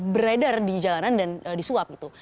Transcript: beredar di jalanan dan disuap gitu